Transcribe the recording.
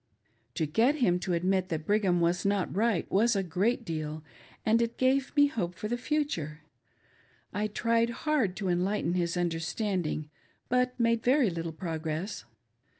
To get him to admit that Brigham was not right was a great deal, and it gave me hope for the future. I tried hard to enlighten his understanding, but made very little progress.